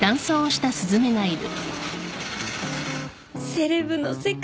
セレブの世界。